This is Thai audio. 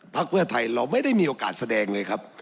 เพื่อไทยเราไม่ได้มีโอกาสแสดงเลยครับ